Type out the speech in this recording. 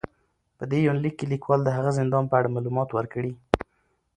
په دې يونليک کې ليکوال د هغه زندان په اړه معلومات ور کړي